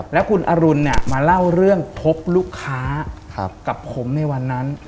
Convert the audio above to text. แล้วคุณอรุณเนี่ยมาเล่าเรื่องพบลูกค้ากับผมในวันนั้น